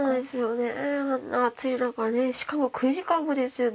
しかも９時間もですよ。